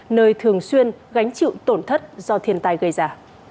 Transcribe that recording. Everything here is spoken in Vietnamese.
nơi thường xuyên gánh chịu tổn thất do thiên tai gây ra